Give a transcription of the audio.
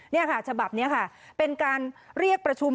นี่ค่ะฉบับนี้ค่ะเป็นการเรียกประชุม